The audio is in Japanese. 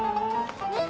ねっ！